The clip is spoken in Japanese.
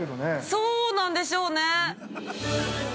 ◆そうなんでしょうね。